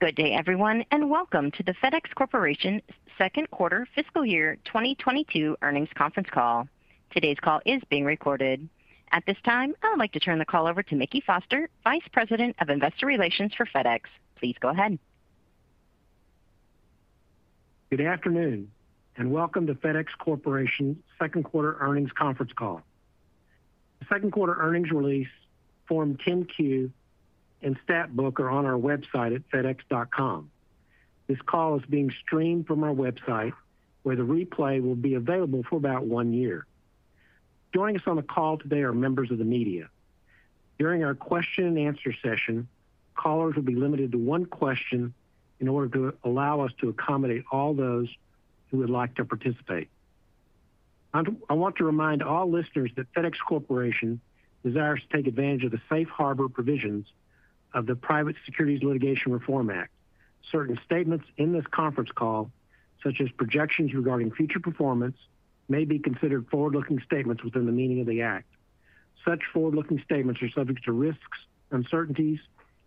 Good day, everyone, and welcome to the FedEx Corporation Second Quarter Fiscal Year 2022 Earnings Conference Call. Today's call is being recorded. At this time, I would like to turn the call over to Mickey Foster, Vice President of Investor Relations for FedEx. Please go ahead. Good afternoon and welcome to FedEx Corporation Second Quarter Earnings Conference Call. The second quarter earnings release Form 10-Q and stat book are on our website at fedex.com. This call is being streamed from our website, where the replay will be available for about one year. Joining us on the call today are members of the media. During our question and answer session, callers will be limited to one question in order to allow us to accommodate all those who would like to participate. I want to remind all listeners that FedEx Corporation desires to take advantage of the safe harbor provisions of the Private Securities Litigation Reform Act. Certain statements in this conference call, such as projections regarding future performance, may be considered forward-looking statements within the meaning of the Act. Such forward-looking statements are subject to risks, uncertainties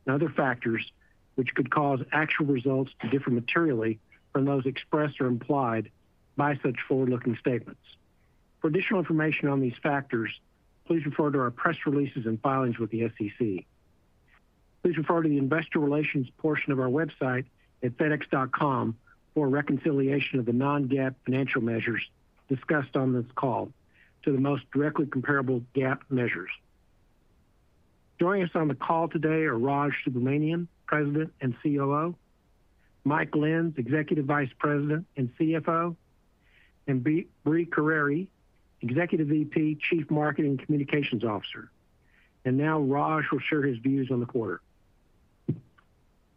and other factors which could cause actual results to differ materially from those expressed or implied by such forward-looking statements. For additional information on these factors, please refer to our press releases and filings with the SEC. Please refer to the investor relations portion of our website at fedex.com for a reconciliation of the non-GAAP financial measures discussed on this call to the most directly comparable GAAP measures. Joining us on the call today are Raj Subramaniam, President and COO, Mike Lenz, Executive Vice President and CFO, and Brie Carere, Executive VP, Chief Marketing Communications Officer. Now Raj will share his views on the quarter.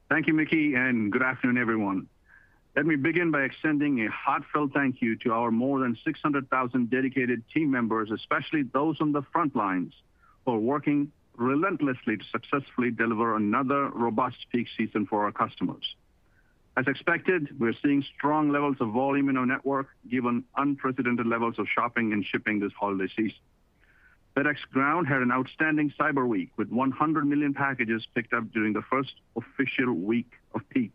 Thank you, Mickey, and good afternoon, everyone. Let me begin by extending a heartfelt thank you to our more than 600,000 dedicated team members, especially those on the front lines who are working relentlessly to successfully deliver another robust peak season for our customers. As expected, we're seeing strong levels of volume in our network given unprecedented levels of shopping and shipping this holiday season. FedEx Ground had an outstanding cyber week with 100 million packages picked up during the first official week of peak.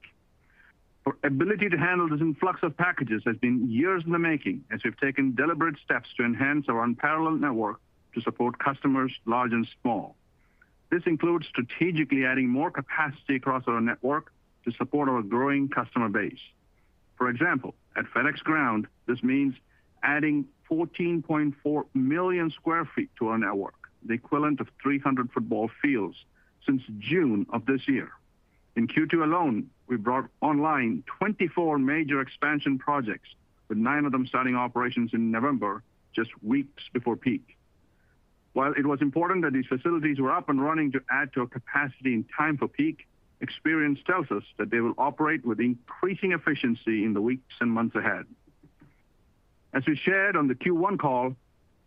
Our ability to handle this influx of packages has been years in the making as we've taken deliberate steps to enhance our unparalleled network to support customers large and small. This includes strategically adding more capacity across our network to support our growing customer base. For example, at FedEx Ground, this means adding 14.4 million sq ft to our network, the equivalent of 300 football fields since June of this year. In Q2 alone, we brought online 24 major expansion projects, with nine of them starting operations in November, just weeks before peak. While it was important that these facilities were up and running to add to our capacity in time for peak, experience tells us that they will operate with increasing efficiency in the weeks and months ahead. As we shared on the Q1 call,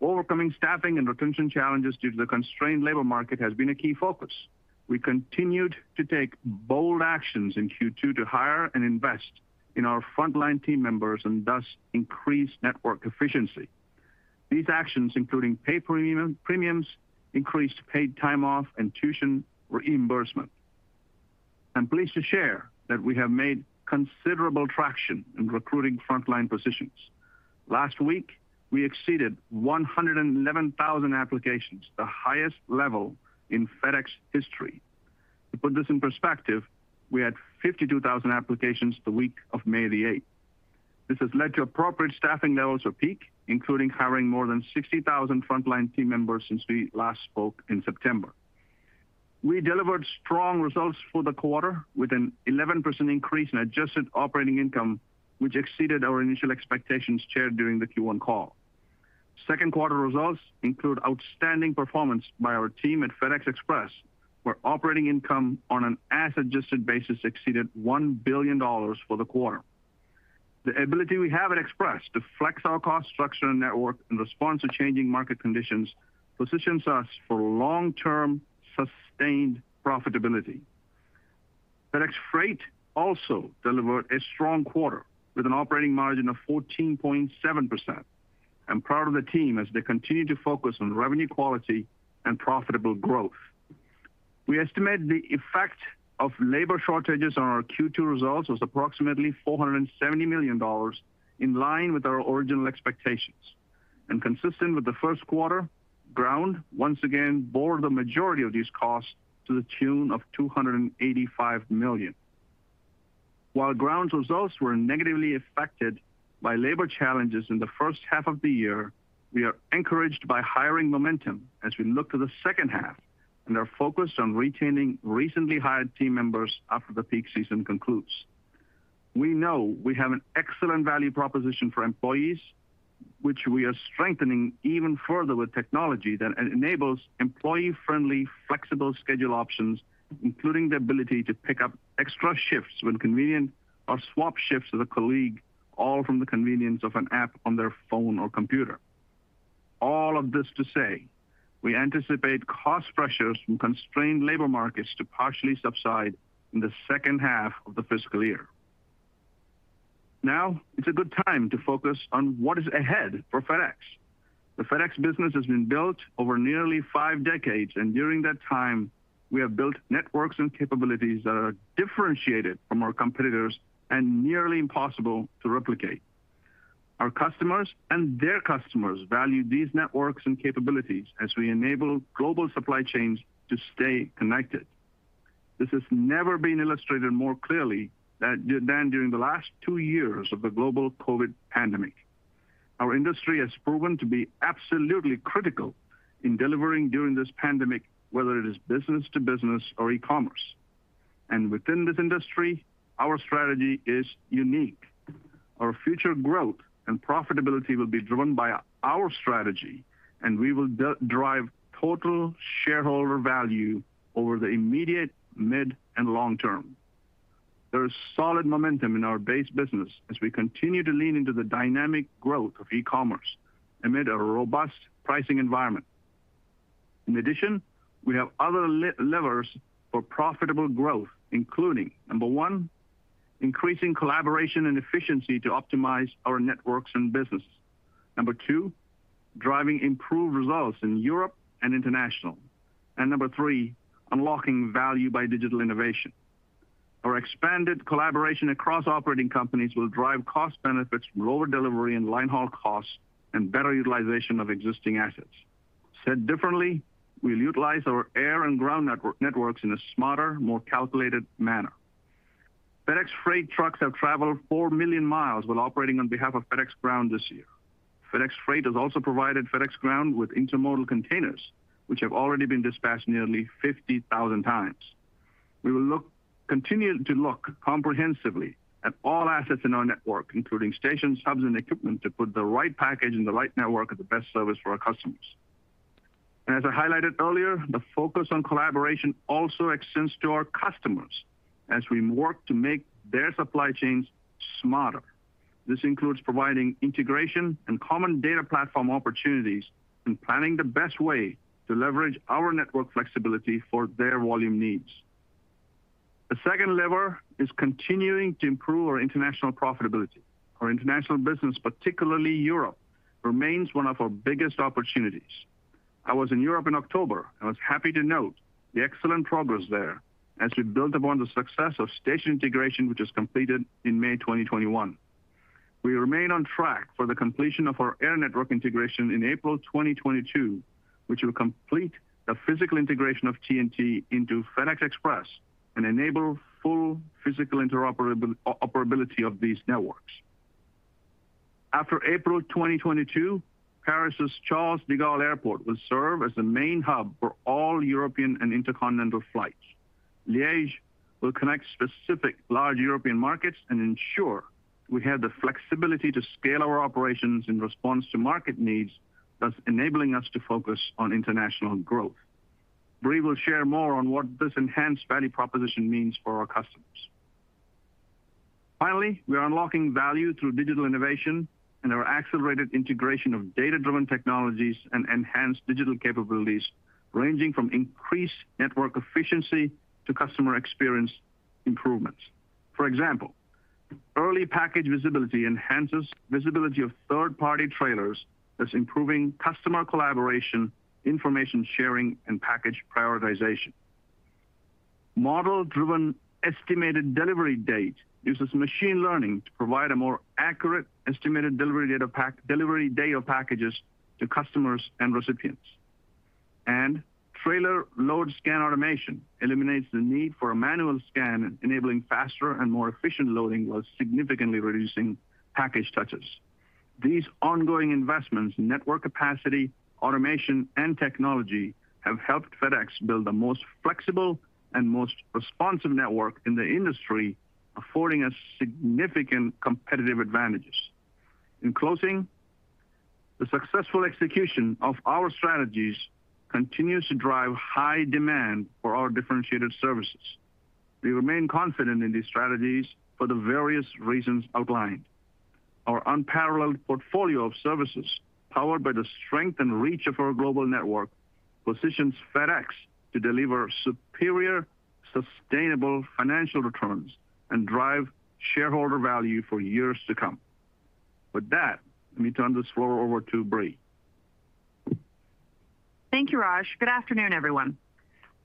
overcoming staffing and retention challenges due to the constrained labor market has been a key focus. We continued to take bold actions in Q2 to hire and invest in our frontline team members and thus increase network efficiency. These actions, including pay premiums, increased paid time off and tuition reimbursement. I'm pleased to share that we have made considerable traction in recruiting frontline positions. Last week, we exceeded 111,000 applications, the highest level in FedEx history. To put this in perspective, we had 52,000 applications the week of May 8. This has led to appropriate staffing levels of peak, including hiring more than 60,000 frontline team members since we last spoke in September. We delivered strong results for the quarter with an 11% increase in adjusted operating income, which exceeded our initial expectations shared during the Q1 call. Second quarter results include outstanding performance by our team at FedEx Express, where operating income on an as-adjusted basis exceeded $1 billion for the quarter. The ability we have at Express to flex our cost structure and network in response to changing market conditions positions us for long-term sustained profitability. FedEx Freight also delivered a strong quarter with an operating margin of 14.7%. I'm proud of the team as they continue to focus on revenue quality and profitable growth. We estimate the effect of labor shortages on our Q2 results was approximately $470 million in line with our original expectations. Consistent with the first quarter, Ground once again bore the majority of these costs to the tune of $285 million. While Ground's results were negatively affected by labor challenges in the first half of the year, we are encouraged by hiring momentum as we look to the second half and are focused on retaining recently hired team members after the peak season concludes. We know we have an excellent value proposition for employees, which we are strengthening even further with technology that enables employee-friendly, flexible schedule options, including the ability to pick up extra shifts when convenient or swap shifts with a colleague, all from the convenience of an app on their phone or computer. All of this to say, we anticipate cost pressures from constrained labor markets to partially subside in the second half of the fiscal year. Now, it's a good time to focus on what is ahead for FedEx. The FedEx business has been built over nearly five decades, and during that time, we have built networks and capabilities that are differentiated from our competitors and nearly impossible to replicate. Our customers and their customers value these networks and capabilities as we enable global supply chains to stay connected. This has never been illustrated more clearly than during the last two years of the global COVID pandemic. Our industry has proven to be absolutely critical in delivering during this pandemic, whether it is business to business or e-commerce. Within this industry, our strategy is unique. Our future growth and profitability will be driven by our strategy, and we will drive total shareholder value over the immediate mid and long term. There is solid momentum in our base business as we continue to lean into the dynamic growth of e-commerce amid a robust pricing environment. In addition, we have other levers for profitable growth, including number one, increasing collaboration and efficiency to optimize our networks and business. Number two, driving improved results in Europe and international. Number three, unlocking value by digital innovation. Our expanded collaboration across operating companies will drive cost benefits from lower delivery and line haul costs and better utilization of existing assets. Said differently, we'll utilize our air and ground networks in a smarter, more calculated manner. FedEx Freight trucks have traveled 4 million miles while operating on behalf of FedEx Ground this year. FedEx Freight has also provided FedEx Ground with intermodal containers, which have already been dispatched nearly 50,000 times. We will continue to look comprehensively at all assets in our network, including stations, hubs, and equipment, to put the right package in the right network as the best service for our customers. As I highlighted earlier, the focus on collaboration also extends to our customers as we work to make their supply chains smarter. This includes providing integration and common data platform opportunities and planning the best way to leverage our network flexibility for their volume needs. The second lever is continuing to improve our international profitability. Our international business, particularly Europe, remains one of our biggest opportunities. I was in Europe in October and was happy to note the excellent progress there as we build upon the success of station integration, which is completed in May 2021. We remain on track for the completion of our air network integration in April 2022, which will complete the physical integration of TNT into FedEx Express and enable full physical interoperability of these networks. After April 2022, Paris' Charles de Gaulle Airport will serve as the main hub for all European and intercontinental flights. Liège will connect specific large European markets and ensure we have the flexibility to scale our operations in response to market needs, thus enabling us to focus on international growth. Brie will share more on what this enhanced value proposition means for our customers. Finally, we are unlocking value through digital innovation and our accelerated integration of data-driven technologies and enhanced digital capabilities ranging from increased network efficiency to customer experience improvements. For example, early package visibility enhances visibility of third-party trailers, thus improving customer collaboration, information sharing, and package prioritization. Model-driven estimated delivery date uses machine learning to provide a more accurate estimated delivery date and delivery day of packages to customers and recipients. Trailer load scan automation eliminates the need for a manual scan, enabling faster and more efficient loading while significantly reducing package touches. These ongoing investments in network capacity, automation, and technology have helped FedEx build the most flexible and most responsive network in the industry, affording us significant competitive advantages. In closing, the successful execution of our strategies continues to drive high demand for our differentiated services. We remain confident in these strategies for the various reasons outlined. Our unparalleled portfolio of services, powered by the strength and reach of our global network, positions FedEx to deliver superior, sustainable financial returns and drive shareholder value for years to come. With that, let me turn this floor over to Brie. Thank you, Raj. Good afternoon, everyone.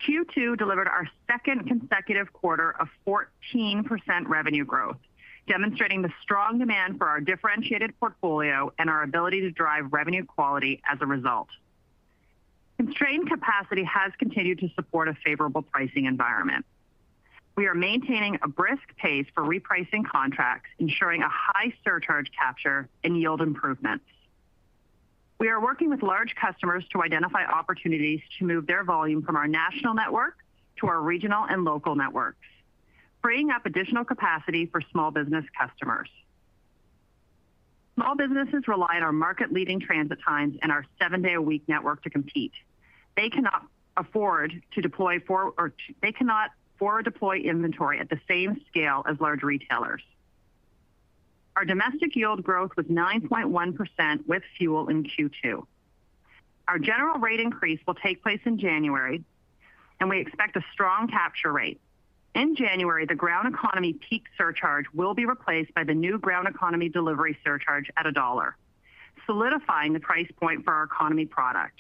Q2 delivered our second consecutive quarter of 14% revenue growth, demonstrating the strong demand for our differentiated portfolio and our ability to drive revenue quality as a result. Constrained capacity has continued to support a favorable pricing environment. We are maintaining a brisk pace for repricing contracts, ensuring a high surcharge capture and yield improvements. We are working with large customers to identify opportunities to move their volume from our national network to our regional and local networks, freeing up additional capacity for small business customers. Small businesses rely on our market-leading transit times and our seven-day-a-week network to compete. They cannot afford to forward deploy inventory at the same scale as large retailers. Our domestic yield growth was 9.1% with fuel in Q2. Our general rate increase will take place in January, and we expect a strong capture rate. In January, the Ground Economy peak surcharge will be replaced by the new Ground Economy delivery surcharge at $1, solidifying the price point for our economy product.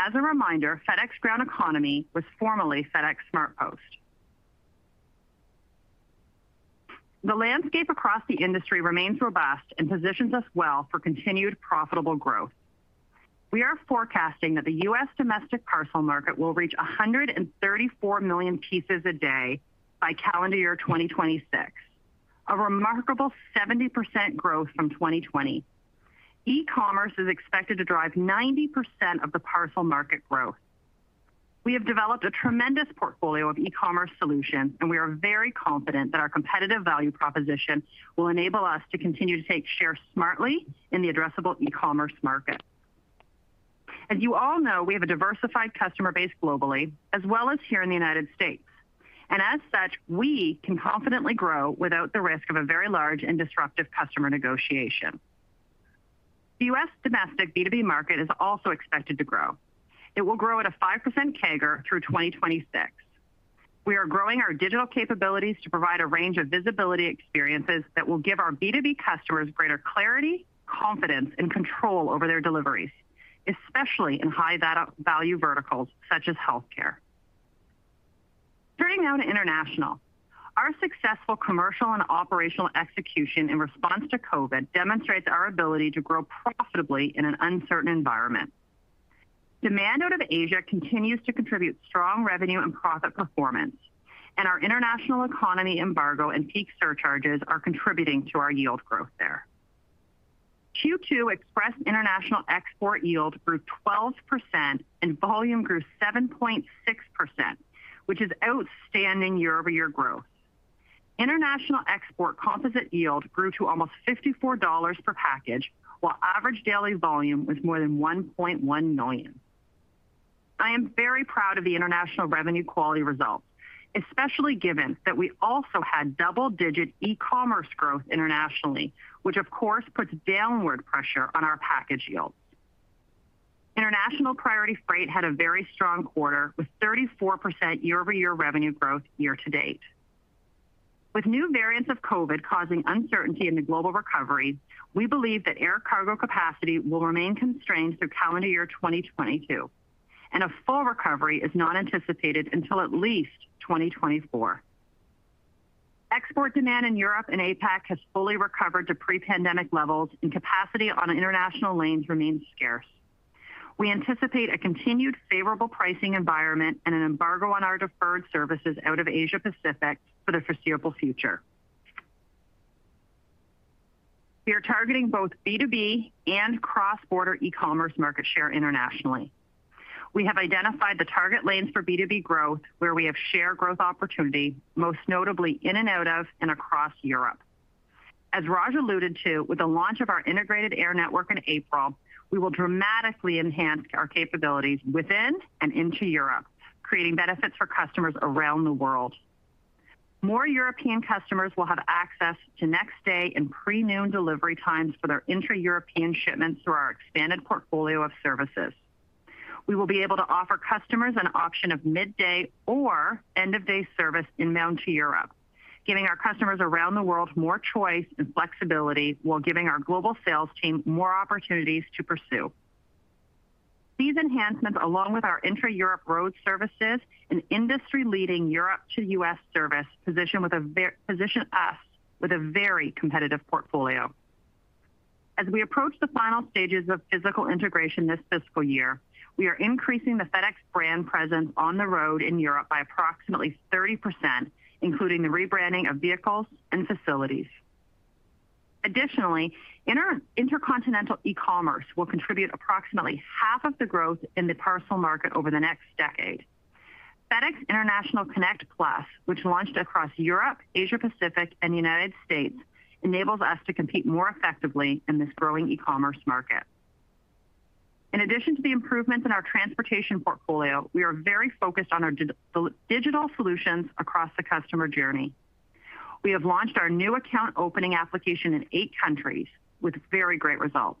As a reminder, FedEx Ground Economy was formerly FedEx SmartPost. The landscape across the industry remains robust and positions us well for continued profitable growth. We are forecasting that the U.S. domestic parcel market will reach 134 million pieces a day by calendar year 2026, a remarkable 70% growth from 2020. E-commerce is expected to drive 90% of the parcel market growth. We have developed a tremendous portfolio of e-commerce solutions, and we are very confident that our competitive value proposition will enable us to continue to take share smartly in the addressable e-commerce market. As you all know, we have a diversified customer base globally as well as here in the United States. As such, we can confidently grow without the risk of a very large and disruptive customer negotiation. The U.S. domestic B2B market is also expected to grow. It will grow at a 5% CAGR through 2026. We are growing our digital capabilities to provide a range of visibility experiences that will give our B2B customers greater clarity, confidence, and control over their deliveries, especially in high data value verticals such as healthcare. Turning now to international. Our successful commercial and operational execution in response to COVID demonstrates our ability to grow profitably in an uncertain environment. Demand out of Asia continues to contribute strong revenue and profit performance, and our international e-com and peak surcharges are contributing to our yield growth there. Q2 Express International export yield grew 12% and volume grew 7.6%, which is outstanding year-over-year growth. International export composite yield grew to almost $54 per package, while average daily volume was more than 1.1 million. I am very proud of the international revenue quality results, especially given that we also had double-digit e-commerce growth internationally, which of course puts downward pressure on our package yields. International Priority Freight had a very strong quarter, with 34% year-over-year revenue growth year to date. With new variants of COVID causing uncertainty in the global recovery, we believe that air cargo capacity will remain constrained through calendar year 2022, and a full recovery is not anticipated until at least 2024. Export demand in Europe and APAC has fully recovered to pre-pandemic levels and capacity on international lanes remains scarce. We anticipate a continued favorable pricing environment and an embargo on our deferred services out of Asia Pacific for the foreseeable future. We are targeting both B2B and cross-border e-commerce market share internationally. We have identified the target lanes for B2B growth, where we have share growth opportunity, most notably in and out of and across Europe. As Raj alluded to, with the launch of our integrated air network in April, we will dramatically enhance our capabilities within and into Europe, creating benefits for customers around the world. More European customers will have access to next day and pre-noon delivery times for their intra-European shipments through our expanded portfolio of services. We will be able to offer customers an option of midday or end-of-day service inbound to Europe, giving our customers around the world more choice and flexibility while giving our global sales team more opportunities to pursue. These enhancements, along with our intra-Europe road services and industry-leading Europe to U.S. service position us with a very competitive portfolio. As we approach the final stages of physical integration this fiscal year, we are increasing the FedEx brand presence on the road in Europe by approximately 30%, including the rebranding of vehicles and facilities. Additionally, intercontinental e-commerce will contribute approximately half of the growth in the parcel market over the next decade. FedEx International Connect Plus, which launched across Europe, Asia Pacific, and the United States, enables us to compete more effectively in this growing e-commerce market. In addition to the improvements in our transportation portfolio, we are very focused on our digital solutions across the customer journey. We have launched our new account opening application in eight countries with very great results.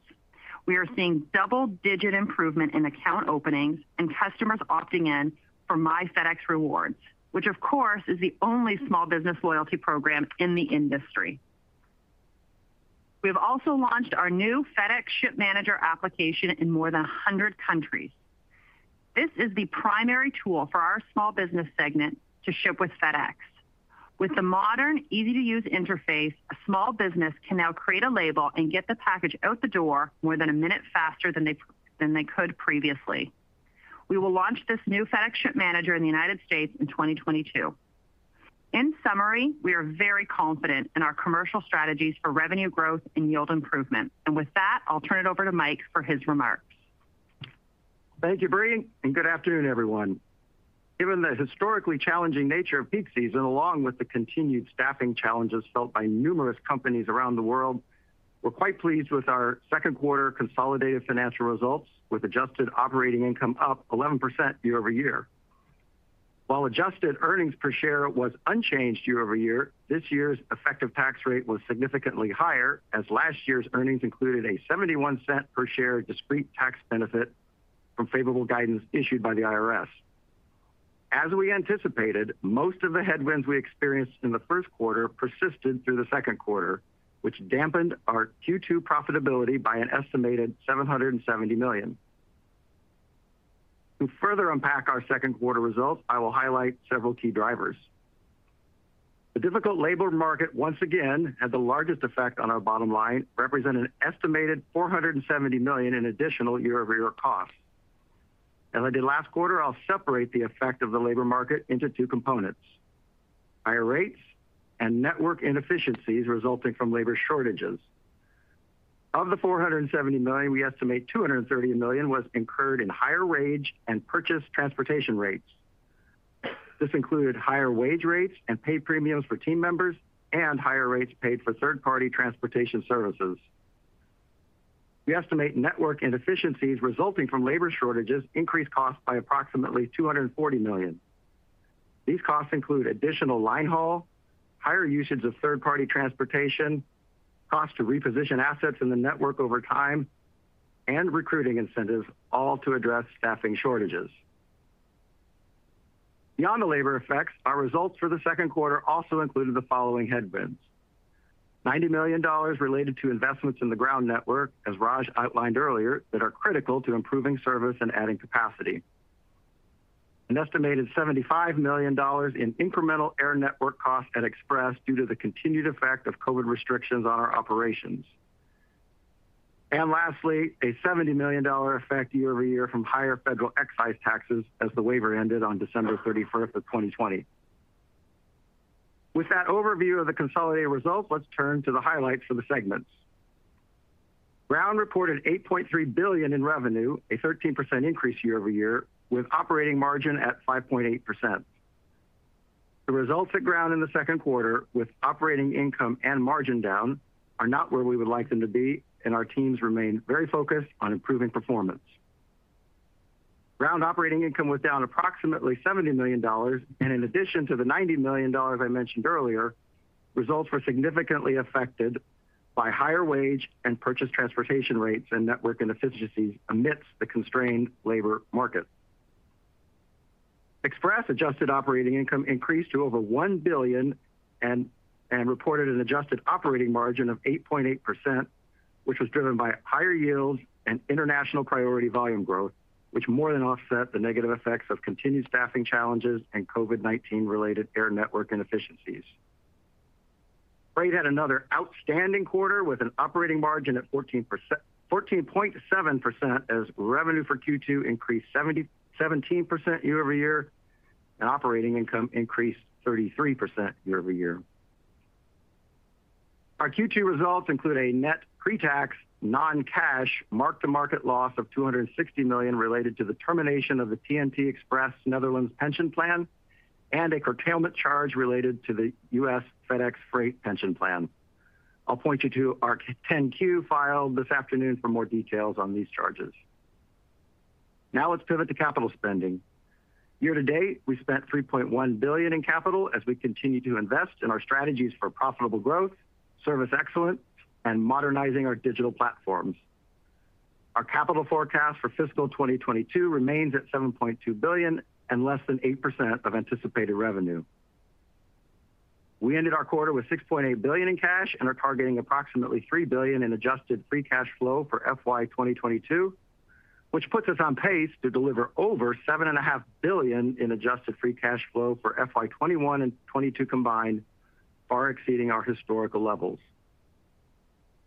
We are seeing double-digit improvement in account openings and customers opting in for My FedEx Rewards, which of course is the only small business loyalty program in the industry. We have also launched our new FedEx Ship Manager application in more than 100 countries. This is the primary tool for our small business segment to ship with FedEx. With the modern, easy-to-use interface, a small business can now create a label and get the package out the door more than a minute faster than they could previously. We will launch this new FedEx Ship Manager in the United States in 2022. In summary, we are very confident in our commercial strategies for revenue growth and yield improvement. With that, I'll turn it over to Mike for his remarks. Thank you, Brie, and good afternoon, everyone. Given the historically challenging nature of peak season, along with the continued staffing challenges felt by numerous companies around the world, we're quite pleased with our second quarter consolidated financial results, with adjusted operating income up 11% year-over-year. While adjusted earnings per share was unchanged year-over-year, this year's effective tax rate was significantly higher as last year's earnings included a 71-cent per share discrete tax benefit from favorable guidance issued by the IRS. As we anticipated, most of the headwinds we experienced in the first quarter persisted through the second quarter, which dampened our Q2 profitability by an estimated $770 million. To further unpack our second quarter results, I will highlight several key drivers. The difficult labor market once again had the largest effect on our bottom line, representing an estimated $470 million in additional year-over-year costs. As I did last quarter, I'll separate the effect of the labor market into two components, higher rates and network inefficiencies resulting from labor shortages. Of the $470 million, we estimate $230 million was incurred in higher wage and purchased transportation rates. This included higher wage rates and pay premiums for team members and higher rates paid for third-party transportation services. We estimate network inefficiencies resulting from labor shortages increased costs by approximately $240 million. These costs include additional line haul, higher usage of third-party transportation, cost to reposition assets in the network over time, and recruiting incentives, all to address staffing shortages. Beyond the labor effects, our results for the second quarter also included the following headwinds. $90 million related to investments in the ground network, as Raj outlined earlier, that are critical to improving service and adding capacity. An estimated $75 million in incremental air network costs at Express due to the continued effect of COVID restrictions on our operations. Lastly, a $70 million effect year-over-year from higher federal excise taxes as the waiver ended on December 31, 2020. With that overview of the consolidated results, let's turn to the highlights for the segments. Ground reported $8.3 billion in revenue, a 13% increase year-over-year, with operating margin at 5.8%. The results at FedEx Ground in the second quarter, with operating income and margin down, are not where we would like them to be, and our teams remain very focused on improving performance. FedEx Ground operating income was down approximately $70 million, and in addition to the $90 million I mentioned earlier, results were significantly affected by higher wage and purchase transportation rates and network inefficiencies amidst the constrained labor market. FedEx Express adjusted operating income increased to over $1 billion and reported an adjusted operating margin of 8.8%, which was driven by higher yields and international priority volume growth, which more than offset the negative effects of continued staffing challenges and COVID-19 related air network inefficiencies. Freight had another outstanding quarter with an operating margin at 14%, 14.7% as revenue for Q2 increased 77% year-over-year, and operating income increased 33% year-over-year. Our Q2 results include a net pre-tax non-cash mark-to-market loss of $260 million related to the termination of the TNT Express Netherlands pension plan and a curtailment charge related to the U.S. FedEx Freight pension plan. I'll point you to our 10-Q filing this afternoon for more details on these charges. Now let's pivot to capital spending. Year to date, we spent $3.1 billion in capital as we continue to invest in our strategies for profitable growth, service excellence, and modernizing our digital platforms. Our capital forecast for fiscal 2022 remains at $7.2 billion and less than 8% of anticipated revenue. We ended our quarter with $6.8 billion in cash and are targeting approximately $3 billion in adjusted free cash flow for FY 2022, which puts us on pace to deliver over $7.5 billion in adjusted free cash flow for FY 2021 and 2022 combined, far exceeding our historical levels.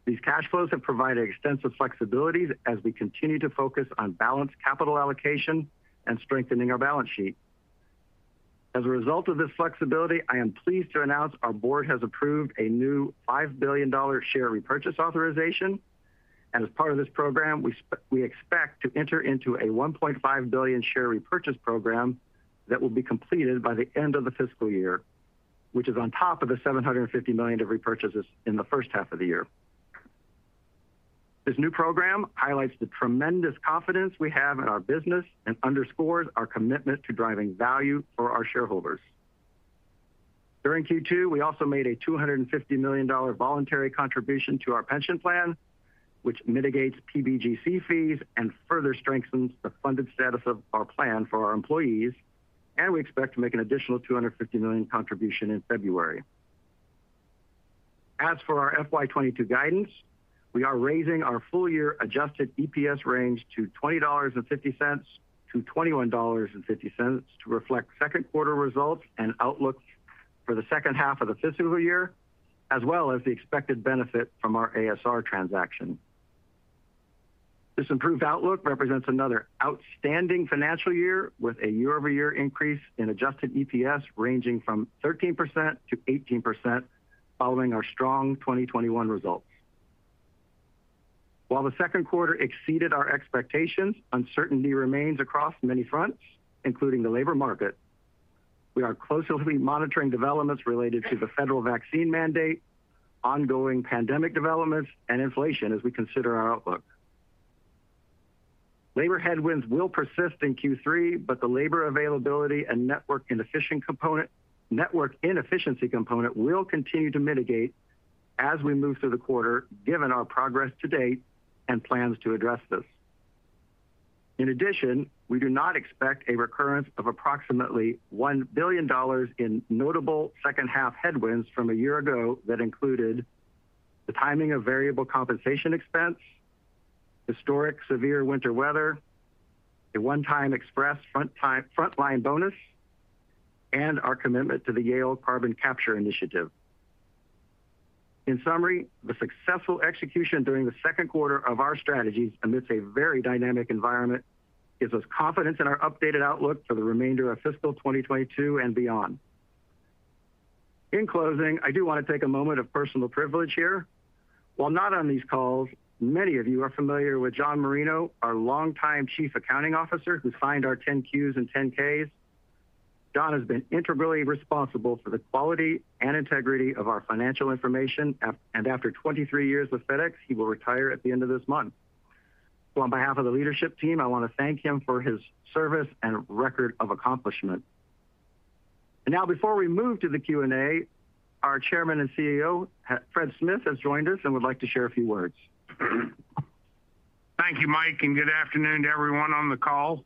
These cash flows have provided extensive flexibility as we continue to focus on balanced capital allocation and strengthening our balance sheet. As a result of this flexibility, I am pleased to announce our board has approved a new $5 billion share repurchase authorization. As part of this program, we expect to enter into a $1.5 billion share repurchase program that will be completed by the end of the fiscal year, which is on top of the $750 million of repurchases in the first half of the year. This new program highlights the tremendous confidence we have in our business and underscores our commitment to driving value for our shareholders. During Q2, we also made a $250 million voluntary contribution to our pension plan, which mitigates PBGC fees and further strengthens the funded status of our plan for our employees, and we expect to make an additional $250 million contribution in February. As for our FY 2022 guidance, we are raising our full year adjusted EPS range to $20.50-$21.50 to reflect second quarter results and outlook for the second half of the fiscal year, as well as the expected benefit from our ASR transaction. This improved outlook represents another outstanding financial year with a year-over-year increase in adjusted EPS ranging from 13%-18% following our strong 2021 results. While the second quarter exceeded our expectations, uncertainty remains across many fronts, including the labor market. We are closely monitoring developments related to the federal vaccine mandate, ongoing pandemic developments, and inflation as we consider our outlook. Labor headwinds will persist in Q3, but the labor availability and network inefficiency component will continue to mitigate as we move through the quarter, given our progress to date and plans to address this. In addition, we do not expect a recurrence of approximately $1 billion in notable second half headwinds from a year ago that included the timing of variable compensation expense, historic severe winter weather, a one-time Express frontline bonus, and our commitment to the Yale Carbon Capture Initiative. In summary, the successful execution during the second quarter of our strategies amidst a very dynamic environment gives us confidence in our updated outlook for the remainder of fiscal 2022 and beyond. In closing, I do want to take a moment of personal privilege here. While not on these calls, many of you are familiar with John Merino, our longtime chief accounting officer who signed our 10-Qs and 10-Ks. John has been integrally responsible for the quality and integrity of our financial information. After 23 years with FedEx, he will retire at the end of this month. On behalf of the leadership team, I want to thank him for his service and record of accomplishment. Now before we move to the Q&A, our Chairman and CEO, Fred Smith, has joined us and would like to share a few words. Thank you, Mike, and good afternoon to everyone on the call.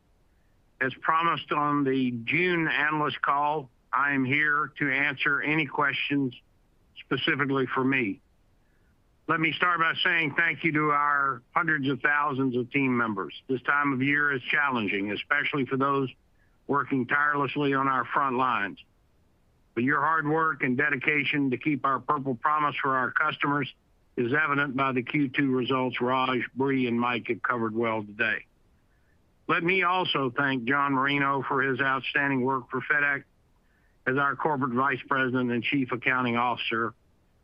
As promised on the June analyst call, I am here to answer any questions specifically for me. Let me start by saying thank you to our hundreds of thousands of team members. This time of year is challenging, especially for those working tirelessly on our front lines. Your hard work and dedication to keep our Purple Promise for our customers is evident by the Q2 results Raj, Brie, and Mike have covered well today. Let me also thank John Merino for his outstanding work for FedEx as our Corporate Vice President and Chief Accounting Officer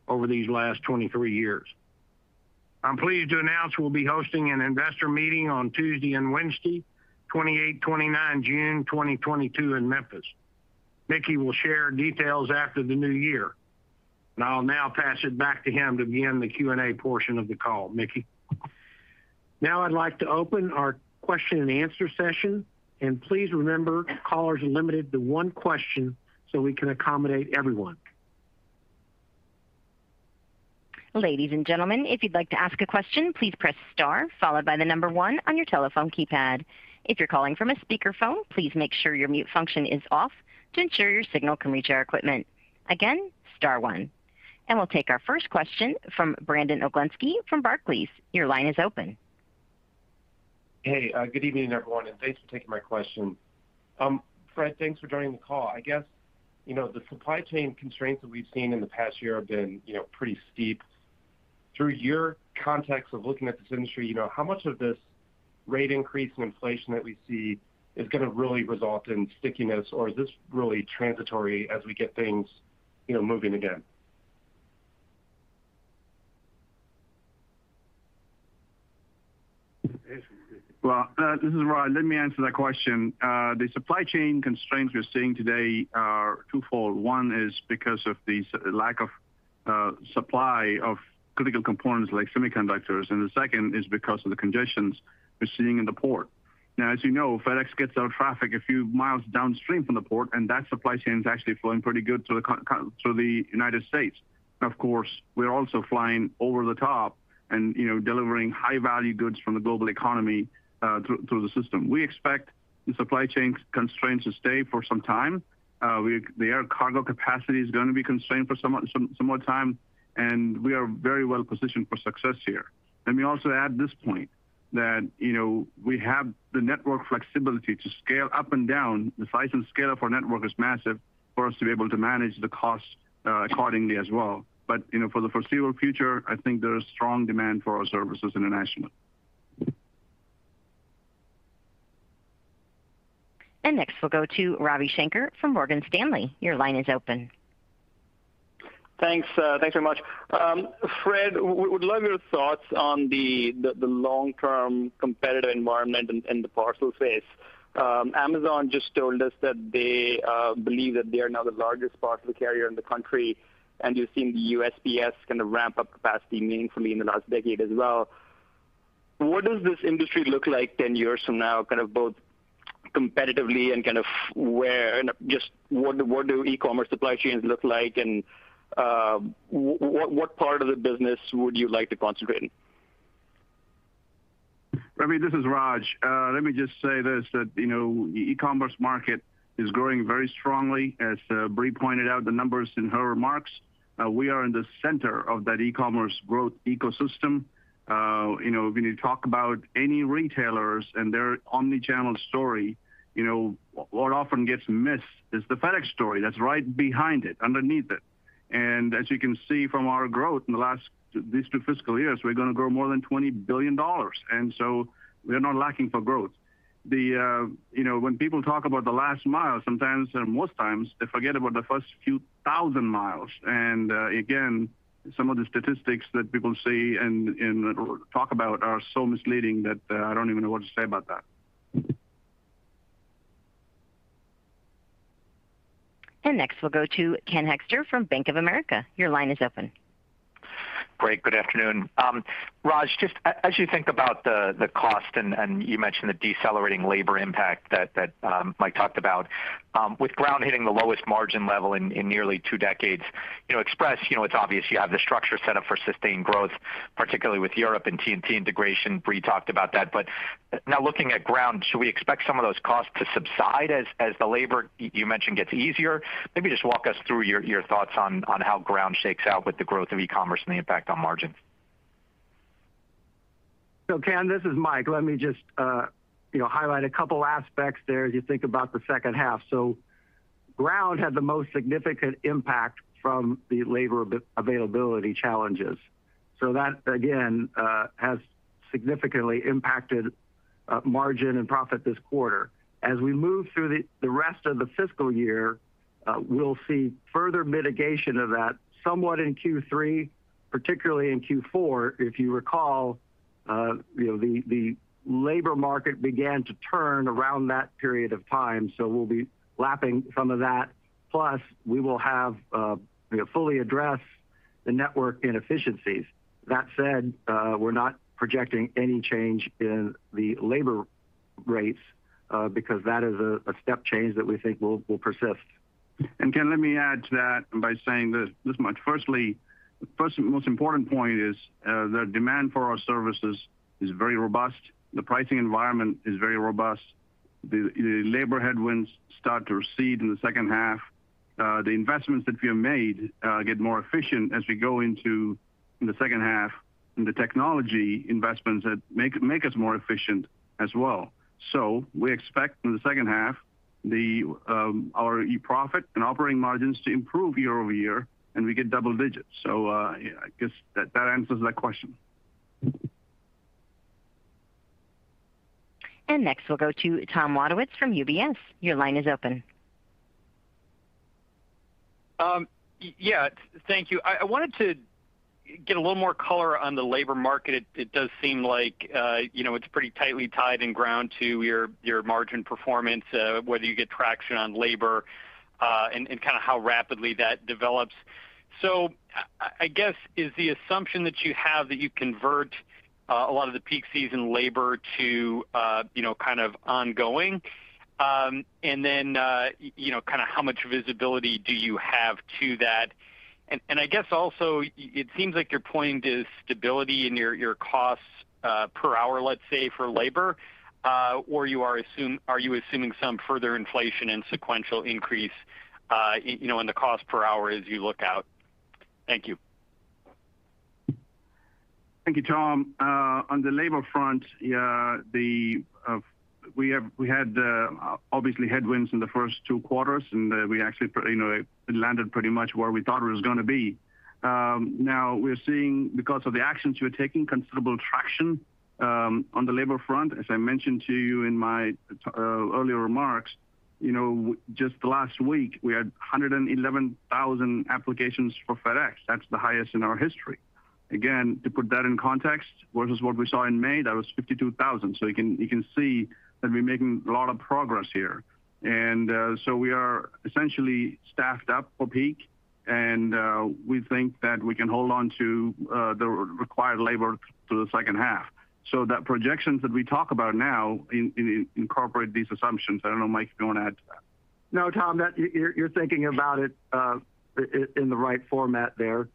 over these last 23 years. I'm pleased to announce we'll be hosting an investor meeting on Tuesday and Wednesday, 28, 29 June 2022 in Memphis. Mickey will share details after the new year. I'll now pass it back to him to begin the Q&A portion of the call. Mickey. Now I'd like to open our question and answer session, and please remember, callers are limited to one question so we can accommodate everyone. Ladies and Gentlemen, if you'd like to ask a question please press star followed by the number one on your telephone keypad. We'll take our first question from Brandon Oglenski from Barclays. Your line is open. Hey, good evening, everyone, and thanks for taking my question. Fred, thanks for joining the call. I guess, you know, the supply chain constraints that we've seen in the past year have been, you know, pretty steep. Through your context of looking at this industry, you know, how much of this rate increase in inflation that we see is gonna really result in stickiness or is this really transitory as we get things, you know, moving again? Raj, you can take it. Well, this is Raj. Let me answer that question. The supply chain constraints we're seeing today are twofold. One is because of the lack of supply of critical components like semiconductors, and the second is because of the congestion we're seeing in the port. Now, as you know, FedEx gets our traffic a few miles downstream from the port, and that supply chain is actually flowing pretty good through the United States. Of course, we're also flying over the top and, you know, delivering high-value goods from the global economy through the system. We expect the supply chain constraints to stay for some time. The air cargo capacity is gonna be constrained for some more time, and we are very well positioned for success here. Let me also add this point that, you know, we have the network flexibility to scale up and down. The size and scale of our network is massive for us to be able to manage the cost accordingly as well. You know, for the foreseeable future, I think there is strong demand for our services internationally. Next we'll go to Ravi Shanker from Morgan Stanley. Your line is open. Thanks very much. Fred, would love your thoughts on the long-term competitive environment in the parcel space. Amazon just told us that they believe that they are now the largest parcel carrier in the country, and you've seen the USPS kind of ramp up capacity meaningfully in the last decade as well. What does this industry look like 10 years from now, kind of both competitively and kind of where and just what do e-commerce supply chains look like and what part of the business would you like to concentrate in? Ravi, this is Raj. Let me just say this, you know, the e-commerce market is growing very strongly. As Brie pointed out the numbers in her remarks, we are in the center of that e-commerce growth ecosystem. You know, when you talk about any retailers and their omni-channel story, you know, what often gets missed is the FedEx story that's right behind it, underneath it. As you can see from our growth in these two fiscal years, we're gonna grow more than $20 billion. We are not lacking for growth. You know, when people talk about the last mile, sometimes or most times, they forget about the first few thousand miles. Again, some of the statistics that people see and talk about are so misleading that I don't even know what to say about that. Next we'll go to Kenneth Hoexter from Bank of America. Your line is open. Great, good afternoon. Raj, just as you think about the cost and you mentioned the decelerating labor impact that Mike talked about with Ground hitting the lowest margin level in nearly two decades, you know, Express, you know, it's obvious you have the structure set up for sustained growth, particularly with Europe and TNT integration. Brie talked about that. But now looking at Ground, should we expect some of those costs to subside as the labor you mentioned gets easier? Maybe just walk us through your thoughts on how Ground shakes out with the growth of e-commerce and the impact on margins. Ken, this is Mike. Let me just, you know, highlight a couple aspects there as you think about the second half. Ground had the most significant impact from the labor availability challenges. That again has significantly impacted margin and profit this quarter. As we move through the rest of the fiscal year, we'll see further mitigation of that somewhat in Q3, particularly in Q4. If you recall, you know, the labor market began to turn around that period of time, so we'll be lapping some of that. Plus, we will fully address the network inefficiencies. That said, we're not projecting any change in the labor rates because that is a step change that we think will persist. Ken, let me add to that by saying this much. First and most important point is, the demand for our services is very robust. The pricing environment is very robust. The labor headwinds start to recede in the second half. The investments that we have made get more efficient as we go into the second half, and the technology investments that make us more efficient as well. We expect in the second half our e-Profit and operating margins to improve year over year, and we get double digits. I guess that answers that question. Next, we'll go to Tom Wadewitz from UBS. Your line is open. Yeah. Thank you. I wanted to get a little more color on the labor market. It does seem like, you know, it's pretty tightly tied in Ground to your margin performance, whether you get traction on labor, and kind of how rapidly that develops. I guess is the assumption that you have that you convert a lot of the peak season labor to, you know, kind of ongoing, and then, you know, kind of how much visibility do you have to that? I guess also it seems like you're pointing to stability in your costs per hour, let's say, for labor, or are you assuming some further inflation and sequential increase, you know, in the cost per hour as you look out? Thank you. Thank you, Tom. On the labor front, yeah, we had obviously headwinds in the first two quarters, and we actually, you know, it landed pretty much where we thought it was gonna be. Now we're seeing, because of the actions we're taking, considerable traction on the labor front. As I mentioned to you in my earlier remarks, you know, just last week we had 111,000 applications for FedEx. That's the highest in our history. Again, to put that in context, versus what we saw in May, that was 52,000. So you can see that we're making a lot of progress here. We are essentially staffed up for peak, and we think that we can hold on to the required labor through the second half. The projections that we talk about now incorporate these assumptions. I don't know, Mike, if you want to add to that. No, Tom, you're thinking about it in the right format there.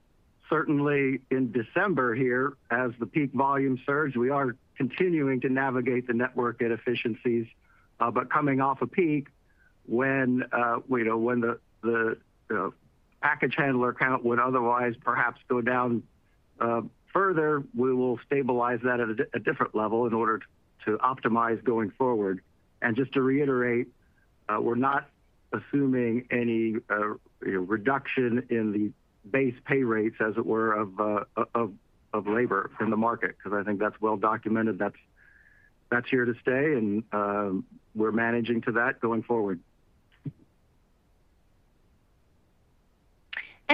Certainly in December here, as the peak volume surge, we are continuing to navigate the network inefficiencies. But coming off a peak when we know the package handler count would otherwise perhaps go down further, we will stabilize that at a different level in order to optimize going forward. Just to reiterate, we're not assuming any reduction in the base pay rates, as it were, of labor in the market, because I think that's well documented. That's here to stay. We're managing to that going forward.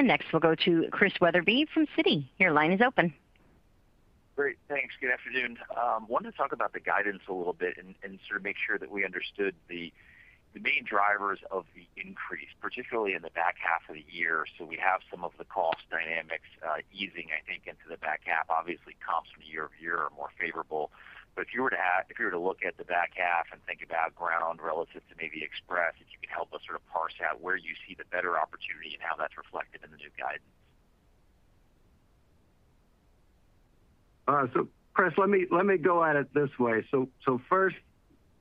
Next, we'll go to Chris Wetherbee from Citi. Your line is open. Great. Thanks. Good afternoon. Wanted to talk about the guidance a little bit and sort of make sure that we understood the main drivers of the increase, particularly in the back half of the year. We have some of the cost dynamics easing, I think, into the back half. Obviously, comps from year-over-year are more favorable. If you were to look at the back half and think about Ground relative to maybe Express, if you could help us sort of parse out where you see the better opportunity and how that's reflected in the new guidance. Chris, let me go at it this way. First,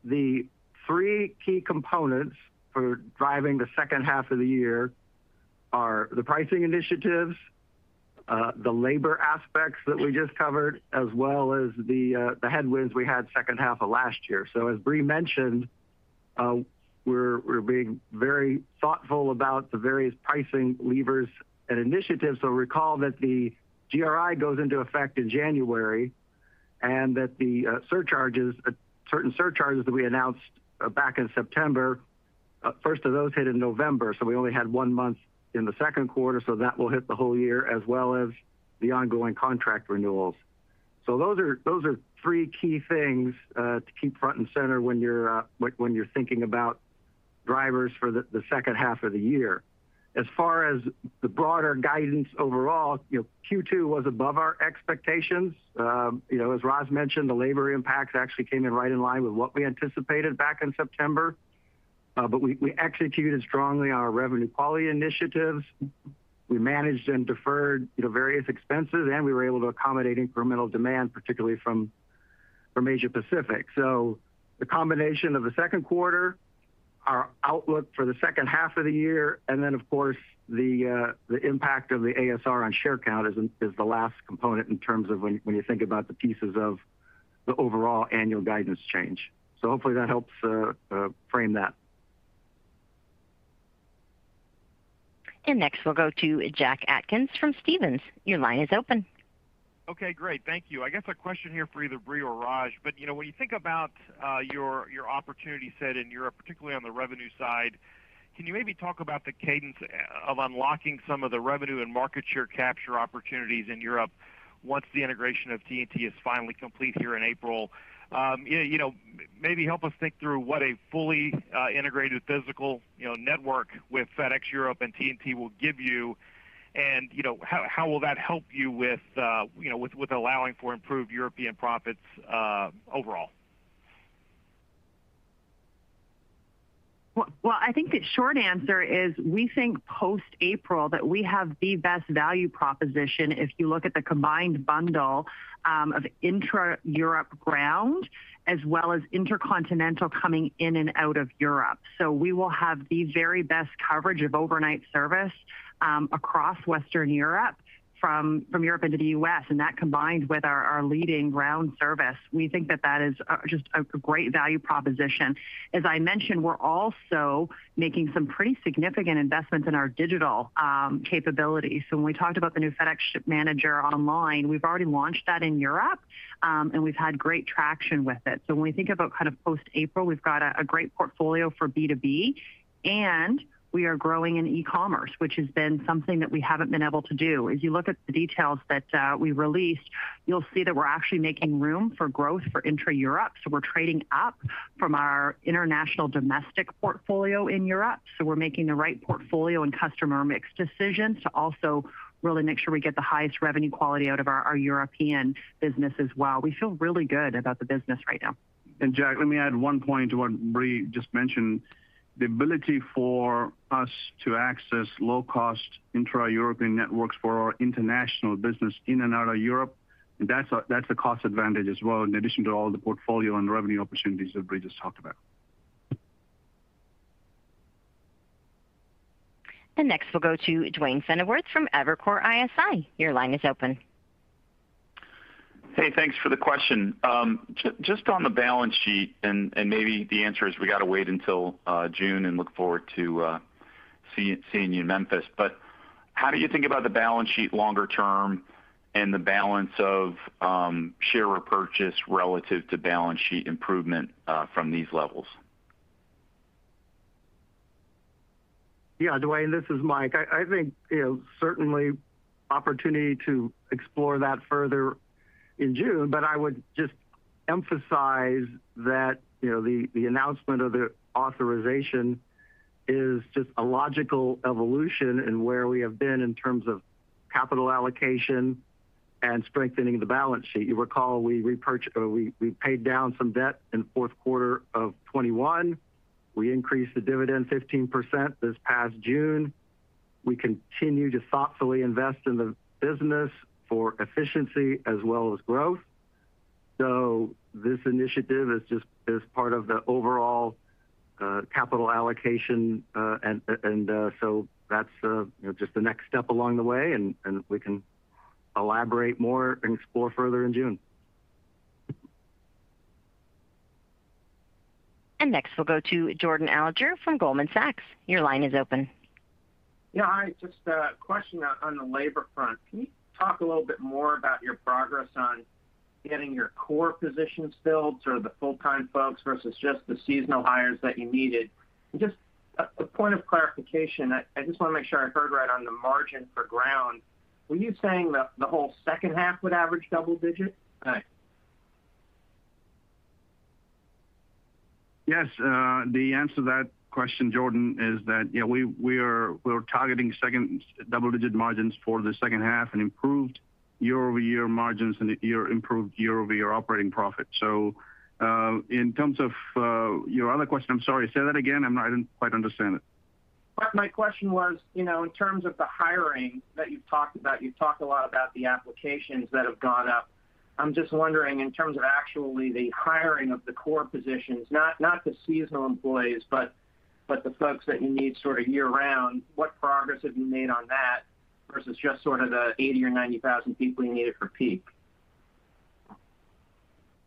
the three key components for driving the second half of the year are the pricing initiatives, the labor aspects that we just covered, as well as the headwinds we had second half of last year. As Brie mentioned, we're being very thoughtful about the various pricing levers and initiatives. Recall that the GRI goes into effect in January and that the surcharges, certain surcharges that we announced back in September, first of those hit in November, so we only had one month in the second quarter, so that will hit the whole year as well as the ongoing contract renewals. Those are three key things to keep front and center when you're thinking about drivers for the second half of the year. As far as the broader guidance overall, you know, Q2 was above our expectations. You know, as Raj mentioned, the labor impacts actually came in right in line with what we anticipated back in September. But we executed strongly on our revenue quality initiatives. We managed and deferred, you know, various expenses, and we were able to accommodate incremental demand, particularly from Asia-Pacific. The combination of the second quarter, our outlook for the second half of the year, and then of course, the impact of the ASR on share count is the last component in terms of when you think about the pieces of the overall annual guidance change. Hopefully that helps frame that. Next, we'll go to Jack Atkins from Stephens. Your line is open. Okay, great. Thank you. I guess a question here for either Brie or Raj, but you know, when you think about your opportunity set in Europe, particularly on the revenue side, can you maybe talk about the cadence of unlocking some of the revenue and market share capture opportunities in Europe once the integration of TNT is finally complete here in April? You know, maybe help us think through what a fully integrated physical network with FedEx Europe and TNT will give you. You know, how will that help you with allowing for improved European profits overall? Well, I think the short answer is we think post-April that we have the best value proposition if you look at the combined bundle of intra-Europe ground as well as intercontinental coming in and out of Europe. We will have the very best coverage of overnight service across Western Europe from Europe into the US. That combined with our leading ground service, we think that is just a great value proposition. As I mentioned, we're also making some pretty significant investments in our digital capabilities. When we talked about the new FedEx Ship Manager Online, we've already launched that in Europe, and we've had great traction with it. When we think about kind of post-April, we've got a great portfolio for B2B, and we are growing in e-commerce, which has been something that we haven't been able to do. If you look at the details that we released, you'll see that we're actually making room for growth for intra-Europe. We're trading up from our international domestic portfolio in Europe. We're making the right portfolio and customer mix decisions to also really make sure we get the highest revenue quality out of our European business as well. We feel really good about the business right now. Jack, let me add one point to what Brie just mentioned. The ability for us to access low-cost intra-European networks for our international business in and out of Europe, that's a cost advantage as well, in addition to all the portfolio and revenue opportunities that Brie just talked about. Next, we'll go to Duane Pfennigwerth from Evercore ISI. Your line is open. Hey, thanks for the question. Just on the balance sheet, and maybe the answer is we got to wait until June and look forward to seeing you in Memphis. How do you think about the balance sheet longer term and the balance of share repurchase relative to balance sheet improvement from these levels? Yeah, Duane, this is Mike. I think, you know, certainly opportunity to explore that further in June. I would just emphasize that, you know, the announcement of the authorization is just a logical evolution in where we have been in terms of capital allocation and strengthening the balance sheet. You recall, we paid down some debt in fourth quarter of 2021. We increased the dividend 15% this past June. We continue to thoughtfully invest in the business for efficiency as well as growth. This initiative is just part of the overall capital allocation. That's, you know, just the next step along the way, and we can elaborate more and explore further in June. Next, we'll go to Jordan Alliger from Goldman Sachs. Your line is open. Yeah. Hi. Just a question on the labor front. Can you talk a little bit more about your progress on getting your core positions filled, sort of the full-time folks versus just the seasonal hires that you needed? Just a point of clarification. I just want to make sure I heard right on the margin for Ground. Were you saying the whole second half would average double digit? Hi. Yes. The answer to that question, Jordan, is that, you know, we're targeting double-digit margins for the second half and improved year-over-year margins and improved year-over-year operating profit. In terms of your other question, I'm sorry. Say that again. I didn't quite understand it. My question was, you know, in terms of the hiring that you've talked about. You've talked a lot about the applications that have gone up. I'm just wondering in terms of actually the hiring of the core positions, not the seasonal employees, but the folks that you need sort of year-round, what progress have you made on that versus just sort of the 80,000 or 90,000 people you needed for peak?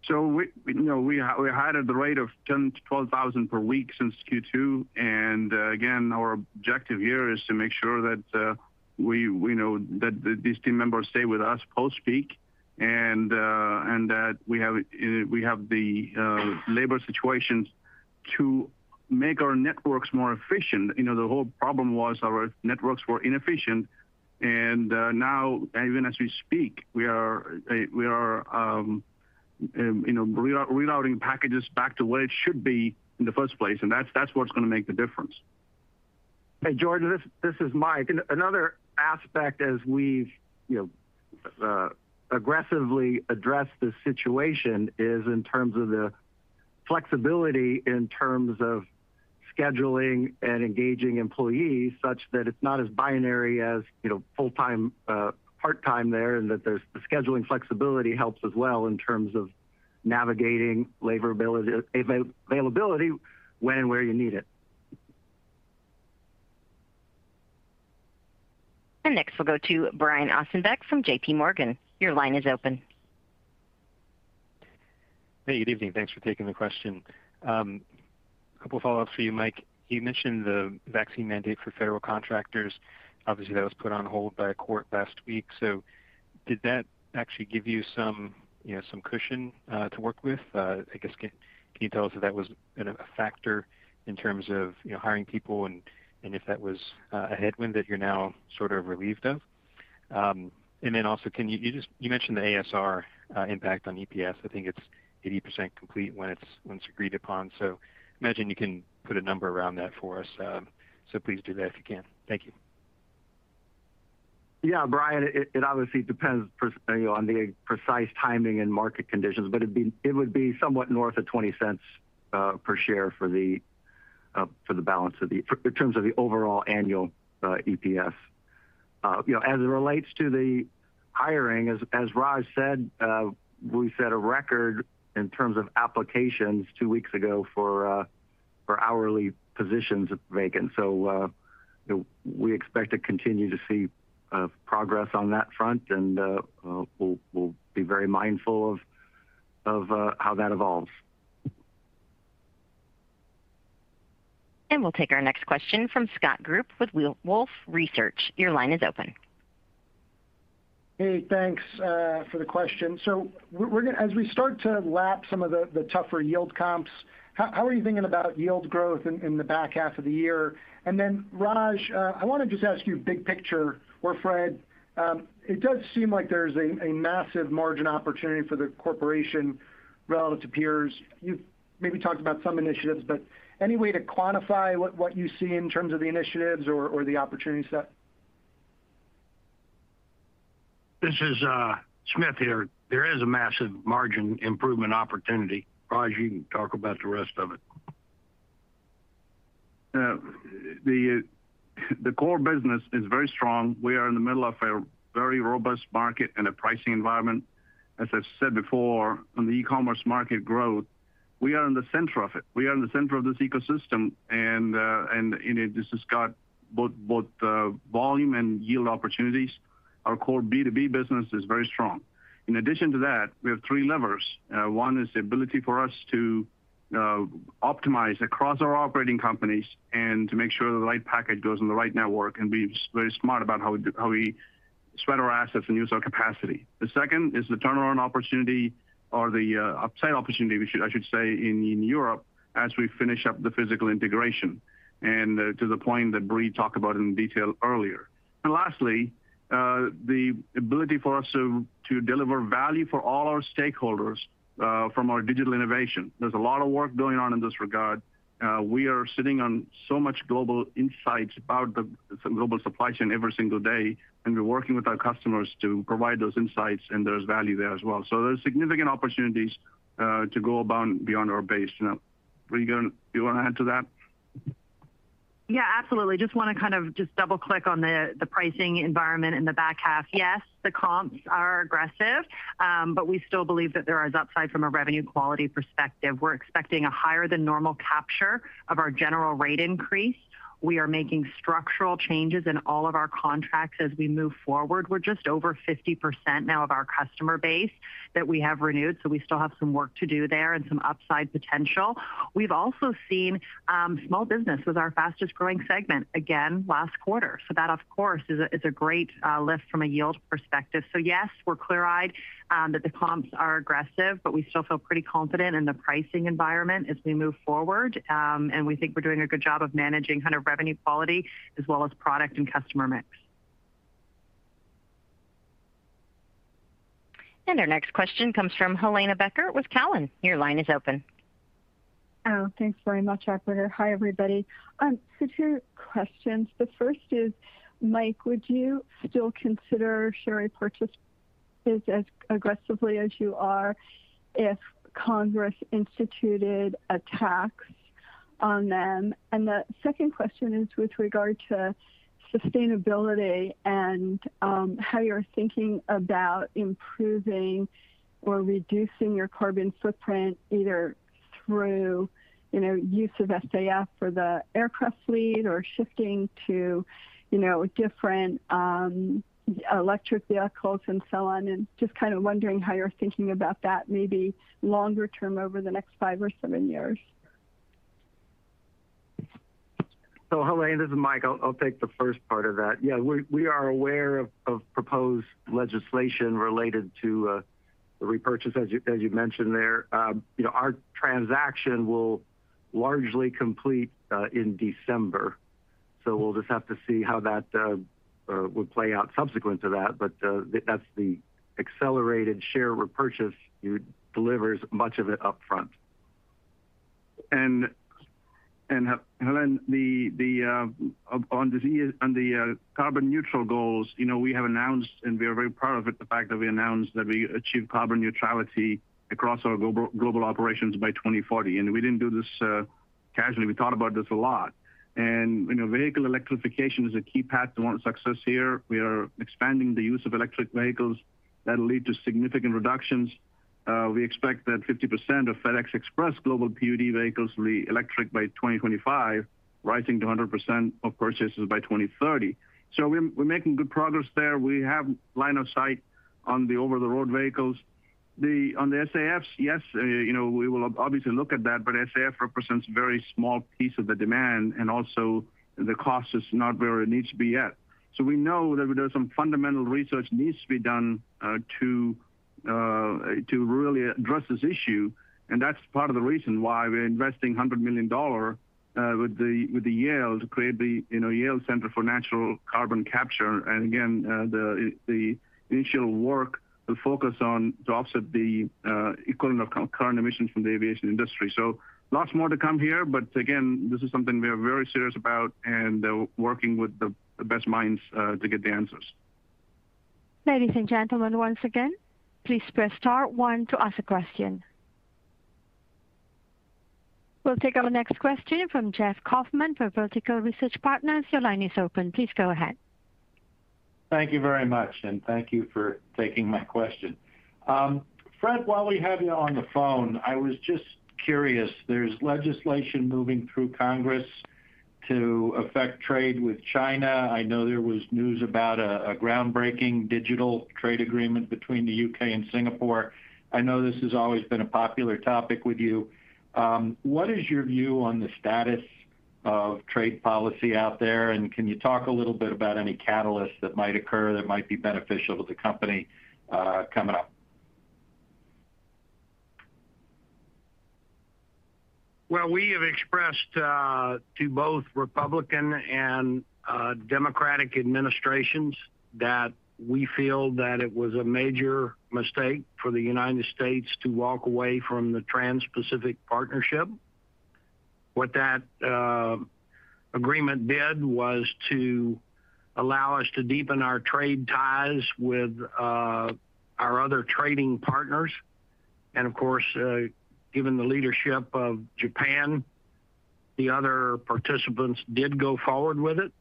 We, you know, hired at the rate of 10-12,000 per week since Q2. Again, our objective here is to make sure that we know that these team members stay with us post-peak and that we have the labor situations to make our networks more efficient. You know, the whole problem was our networks were inefficient, and now even as we speak, we are, you know, reloading packages back to what it should be in the first place. That's what's gonna make the difference. Hey, Jordan, this is Mike. Another aspect as we've, you know, aggressively addressed this situation is in terms of the flexibility in terms of scheduling and engaging employees such that it's not as binary as, you know, full-time, part-time there, and that there's the scheduling flexibility helps as well in terms of navigating labor availability when and where you need it. Next, we'll go to Brian Ossenbeck from JPMorgan. Your line is open. Hey, good evening. Thanks for taking the question. A couple follow-ups for you, Mike. You mentioned the vaccine mandate for federal contractors. Obviously, that was put on hold by a court last week. Did that actually give you some, you know, some cushion to work with? I guess, can you tell us if that was a factor in terms of, you know, hiring people and if that was a headwind that you're now sort of relieved of? Then also, you mentioned the ASR impact on EPS. I think it's 80% complete when it's agreed upon. I imagine you can put a number around that for us, so please do that if you can. Thank you. Yeah, Brian, it obviously depends, you know, on the precise timing and market conditions, but it would be somewhat north of $0.20 per share for the balance of the year in terms of the overall annual EPS. You know, as it relates to the hiring, as Raj said, we set a record in terms of applications two weeks ago for hourly positions vacant. You know, we expect to continue to see progress on that front, and we'll be very mindful of how that evolves. We'll take our next question from Scott Group with Wolfe Research. Your line is open. Hey, thanks for the question. We're gonna as we start to lap some of the tougher yield comps, how are you thinking about yield growth in the back half of the year? Raj, I wanna just ask you big picture or Fred, it does seem like there's a massive margin opportunity for the corporation relative to peers. You've maybe talked about some initiatives, but any way to quantify what you see in terms of the initiatives or the opportunity set? This is Smith here. There is a massive margin improvement opportunity. Raj, you can talk about the rest of it. The core business is very strong. We are in the middle of a very robust market and a pricing environment. As I've said before, on the e-commerce market growth, we are in the center of it. We are in the center of this ecosystem, and in it, this has got both volume and yield opportunities. Our core B2B business is very strong. In addition to that, we have three levers. One is the ability for us to optimize across our operating companies and to make sure the right package goes on the right network and be very smart about how we spend our assets and use our capacity. The second is the turnaround opportunity or the upside opportunity, I should say, in Europe as we finish up the physical integration and to the point that Brie talked about in detail earlier. Lastly, the ability for us to deliver value for all our stakeholders from our digital innovation. There's a lot of work going on in this regard. We are sitting on so much global insights about the global supply chain every single day, and we're working with our customers to provide those insights, and there's value there as well. There's significant opportunities to go above and beyond our base. Now, Brie, do you wanna add to that? Yeah, absolutely. Just want to kind of double-click on the pricing environment in the back half. Yes, the comps are aggressive, but we still believe that there is upside from a revenue quality perspective. We're expecting a higher than normal capture of our general rate increase. We are making structural changes in all of our contracts as we move forward. We're just over 50% now of our customer base that we have renewed, so we still have some work to do there and some upside potential. We've also seen small business as our fastest-growing segment again last quarter. That, of course, is a great lift from a yield perspective. Yes, we're clear-eyed that the comps are aggressive, but we still feel pretty confident in the pricing environment as we move forward. We think we're doing a good job of managing kind of revenue quality as well as product and customer mix. Our next question comes from Helane Becker with Cowen. Your line is open. Oh, thanks very much, operator. Hi, everybody. Two questions. The first is, Mike, would you still consider share repurchases as aggressively as you are if Congress instituted a tax on them? The second question is with regard to sustainability and how you're thinking about improving or reducing your carbon footprint, either through, you know, use of SAF for the aircraft fleet or shifting to, you know, different electric vehicles and so on. Just kind of wondering how you're thinking about that, maybe longer term over the next five or seven years. Helane, this is Mike. I'll take the first part of that. Yeah, we are aware of proposed legislation related to the repurchase as you mentioned there. You know, our transaction will largely complete in December, so we'll just have to see how that would play out subsequent to that. That's the accelerated share repurchase delivers much of it upfront. Helane, on the carbon neutral goals, you know, we have announced, and we are very proud of it, the fact that we announced that we achieved carbon neutrality across our global operations by 2040. We didn't do this casually. We thought about this a lot. You know, vehicle electrification is a key path to our success here. We are expanding the use of electric vehicles that'll lead to significant reductions. We expect that 50% of FedEx Express global PUD vehicles will be electric by 2025, rising to 100% of purchases by 2030. We're making good progress there. We have line of sight on the over-the-road vehicles. On the SAFs, yes, you know, we will obviously look at that, but SAF represents a very small piece of the demand, and also the cost is not where it needs to be yet. We know that there's some fundamental research needs to be done to really address this issue, and that's part of the reason why we're investing $100 million with the Yale to create the Yale Center for Natural Carbon Capture. again, the initial work will focus on to offset the equivalent of current emissions from the aviation industry. Lots more to come here. again, this is something we are very serious about and working with the best minds to get the answers. Ladies and gentlemen, once again, please press star one to ask a question. We'll take our next question from Jeff Kauffman from Vertical Research Partners. Your line is open. Please go ahead. Thank you very much, and thank you for taking my question. Fred, while we have you on the phone, I was just curious. There's legislation moving through Congress to affect trade with China. I know there was news about a groundbreaking digital trade agreement between the U.K. and Singapore. I know this has always been a popular topic with you. What is your view on the status of trade policy out there, and can you talk a little bit about any catalysts that might occur that might be beneficial to the company, coming up? Well, we have expressed to both Republican and Democratic administrations that we feel that it was a major mistake for the United States to walk away from the Trans-Pacific Partnership. What that agreement did was to allow us to deepen our trade ties with our other trading partners. Of course, given the leadership of Japan, the other participants did go forward with it.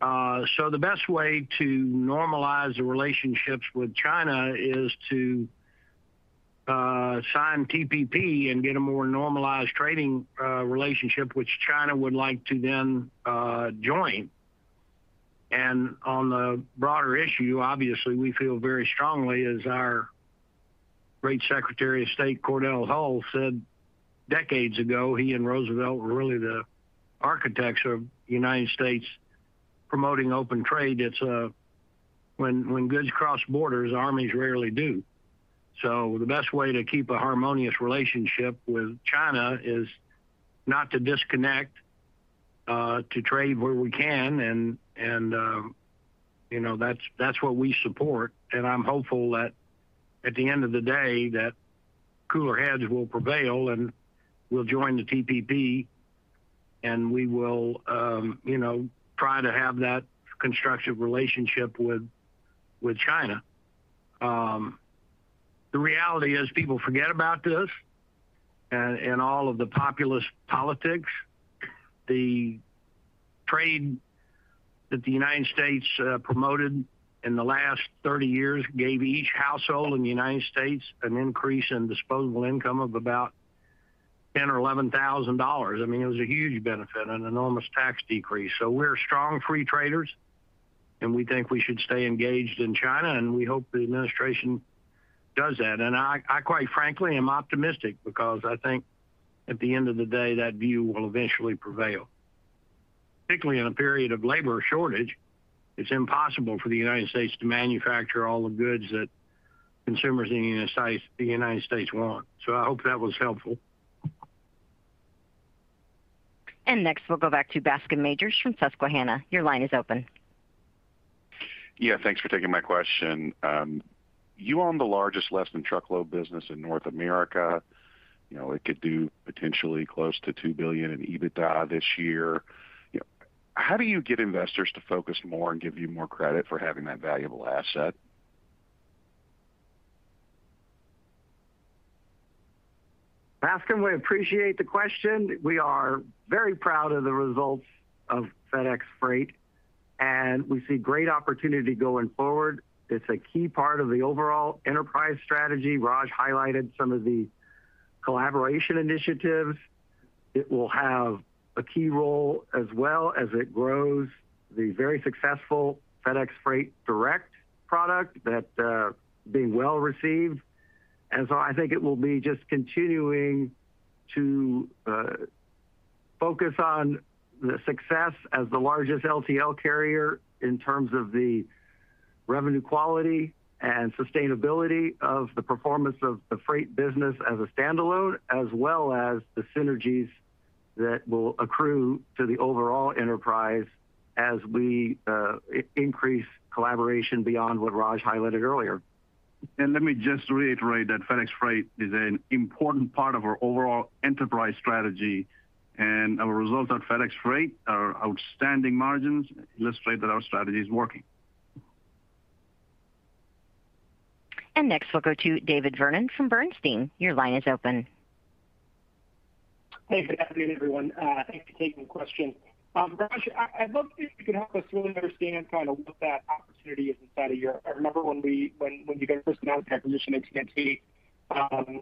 The best way to normalize the relationships with China is to sign TPP and get a more normalized trading relationship which China would like to then join. On the broader issue, obviously, we feel very strongly as our great Secretary of State, Cordell Hull, said decades ago. He and Roosevelt were really the architects of United States promoting open trade. It's when goods cross borders, armies rarely do. The best way to keep a harmonious relationship with China is not to disconnect, to trade where we can and, you know, that's what we support. I'm hopeful that at the end of the day, that cooler heads will prevail, and we'll join the TPP, and we will, you know, try to have that constructive relationship with China. The reality is people forget about this and all of the populist politics. The trade that the United States promoted in the last 30 years gave each household in the United States an increase in disposable income of about $10,000 or $11,000. I mean, it was a huge benefit and an enormous tax decrease. We're strong free traders, and we think we should stay engaged in China, and we hope the administration does that. I quite frankly am optimistic because I think at the end of the day, that view will eventually prevail. Particularly in a period of labor shortage, it's impossible for the United States to manufacture all the goods that consumers in the United States want. I hope that was helpful. Next, we'll go back to Bascome Majors from Susquehanna. Your line is open. Yeah, thanks for taking my question. You own the largest less than truckload business in North America. You know, it could do potentially close to $2 billion in EBITDA this year. You know, how do you get investors to focus more and give you more credit for having that valuable asset? Bascome, we appreciate the question. We are very proud of the results of FedEx Freight, and we see great opportunity going forward. It's a key part of the overall enterprise strategy. Raj highlighted some of the collaboration initiatives. It will have a key role as well as it grows the very successful FedEx Freight Direct product that is being well received. I think it will be just continuing to focus on the success as the largest LTL carrier in terms of the revenue quality and sustainability of the performance of the Freight business as a standalone, as well as the synergies that will accrue to the overall enterprise as we increase collaboration beyond what Raj highlighted earlier. Let me just reiterate that FedEx Freight is an important part of our overall enterprise strategy. Our results at FedEx Freight are outstanding. Margins illustrate that our strategy is working. Next, we'll go to David Vernon from Bernstein. Your line is open. Hey, good afternoon, everyone. Thank you for taking the question. Raj, I'd love to if you could help us really understand kind of what that opportunity is inside of Europe. I remember when you guys first announced the acquisition of TNT,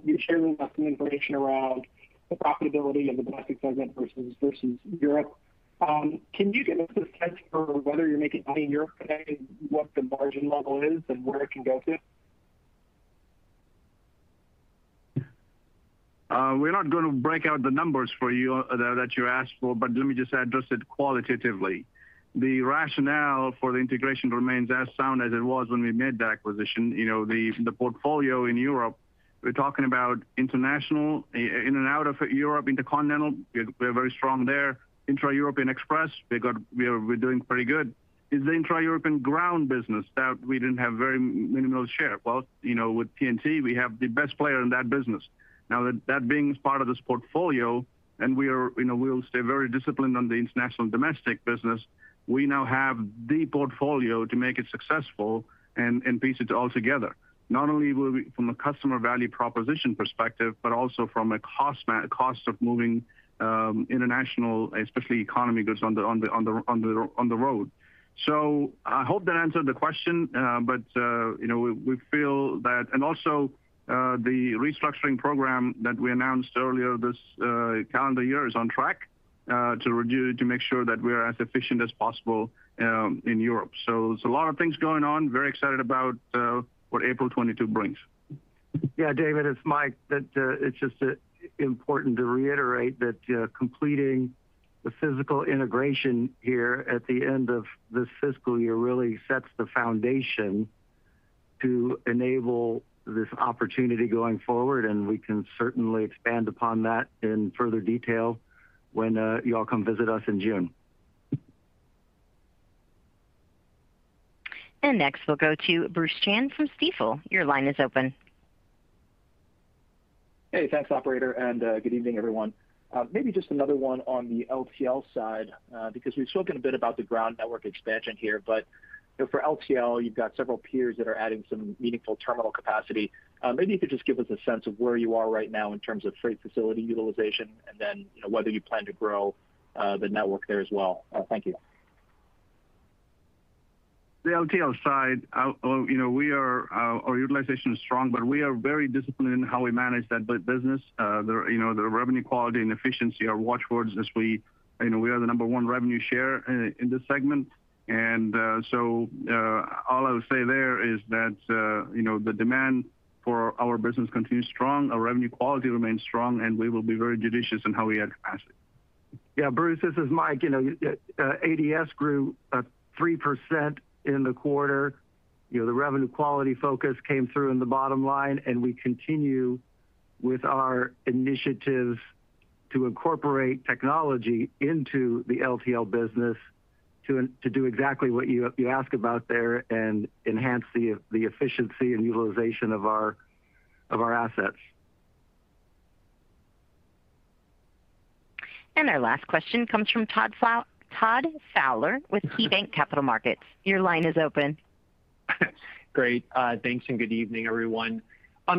you shared with us some information around the profitability of the domestic segment versus Europe. Can you give us a sense for whether you're making money in Europe today, what the margin level is and where it can go to? We're not gonna break out the numbers for you that you asked for, but let me just address it qualitatively. The rationale for the integration remains as sound as it was when we made the acquisition. You know, the portfolio in Europe, we're talking about international, in and out of Europe, intercontinental. We're very strong there. Intra-European express, we're doing pretty good. It's the intra-European ground business that we had very minimal share. Well, you know, with TNT, we have the best player in that business. Now that being part of this portfolio, and we are, you know, we'll stay very disciplined on the international domestic business. We now have the portfolio to make it successful and piece it all together, not only from a customer value proposition perspective, but also from a cost of moving international, especially economy goods on the road. I hope that answered the question. You know, we feel that the restructuring program that we announced earlier this calendar year is on track to make sure that we are as efficient as possible in Europe. There's a lot of things going on. Very excited about what April 2022 brings. Yeah, David, it's Mike. That, it's just important to reiterate that completing the physical integration here at the end of this fiscal year really sets the foundation to enable this opportunity going forward, and we can certainly expand upon that in further detail when you all come visit us in June. Next, we'll go to Bruce Chan from Stifel. Your line is open. Hey, thanks operator, and good evening, everyone. Maybe just another one on the LTL side, because we've spoken a bit about the ground network expansion here. You know, for LTL, you've got several peers that are adding some meaningful terminal capacity. Maybe you could just give us a sense of where you are right now in terms of freight facility utilization and then, you know, whether you plan to grow the network there as well. Thank you. The LTL side, our utilization is strong, but we are very disciplined in how we manage that business. The revenue quality and efficiency are watch words as we are the number one revenue share in this segment. The demand for our business continues strong, our revenue quality remains strong, and we will be very judicious in how we add capacity. Yeah. Bruce, this is Mike. You know, ADS grew 3% in the quarter. You know, the revenue quality focus came through in the bottom line, and we continue with our initiatives to incorporate technology into the LTL business to do exactly what you ask about there and enhance the efficiency and utilization of our assets. Our last question comes from Todd Fowler with KeyBanc Capital Markets. Your line is open. Great. Thanks and good evening, everyone.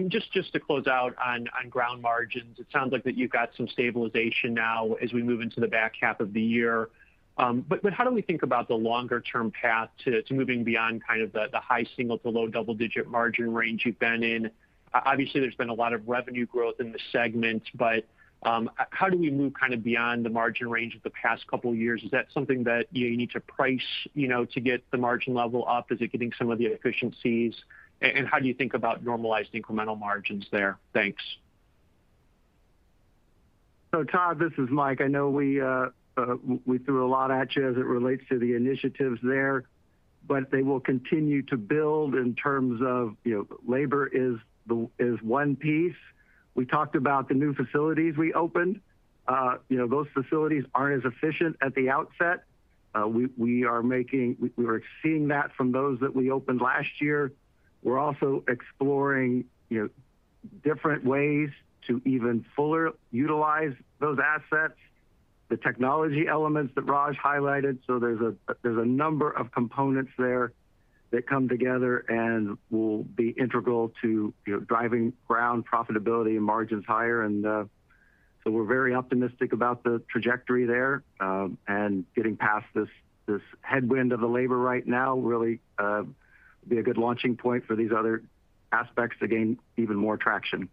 Just to close out on ground margins. It sounds like you've got some stabilization now as we move into the back half of the year. How do we think about the longer term path to moving beyond kind of the high single to low double-digit margin range you've been in? Obviously, there's been a lot of revenue growth in the segment, but how do we move kind of beyond the margin range of the past couple of years? Is that something that you need to price, you know, to get the margin level up? Is it getting some of the efficiencies? And how do you think about normalized incremental margins there? Thanks. Todd, this is Mike. I know we threw a lot at you as it relates to the initiatives there, but they will continue to build in terms of, you know, labor is one piece. We talked about the new facilities we opened. You know, those facilities aren't as efficient at the outset. We're seeing that from those that we opened last year. We're also exploring, you know, different ways to even fuller utilize those assets. The technology elements that Raj highlighted. There's a number of components there that come together and will be integral to, you know, driving Ground profitability and margins higher. We're very optimistic about the trajectory there, and getting past this headwind of the labor right now really be a good launching point for these other aspects to gain even more traction.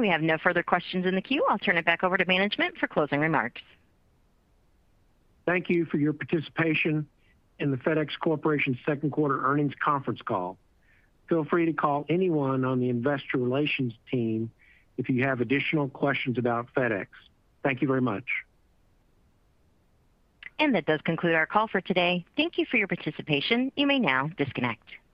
We have no further questions in the queue. I'll turn it back over to management for closing remarks. Thank you for your participation in the FedEx Corporation second quarter earnings conference call. Feel free to call anyone on the investor relations team if you have additional questions about FedEx. Thank you very much. That does conclude our call for today. Thank you for your participation. You may now disconnect.